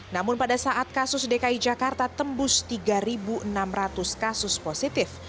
namun pada saat kasus dki jakarta tembus tiga enam ratus kasus positif